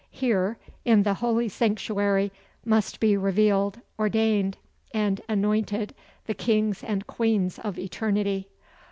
Here, in the holy sanctuary, must be revealed, ordained and anointed the kings and queens of eternity.